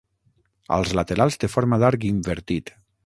Als laterals té forma d'arc invertit.